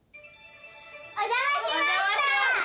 お邪魔しました。